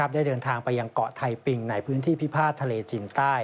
ได้เดินทางไปยังเกาะไทยปิงในพื้นที่พิพาททะเลจีนใต้